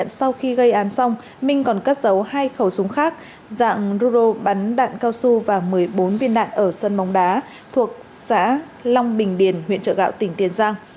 trong đó các đối tượng sử dụng súng bắn đạn cao su và một mươi bốn viên đạn ở sân móng đá thuộc xã long bình điền huyện trợ gạo tỉnh tiền giang